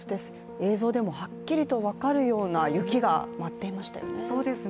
映像でもはっきりと分かるような雪が舞っていましたよね。